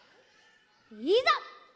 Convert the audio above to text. いざ！